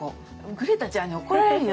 「グレタちゃんに怒られるよ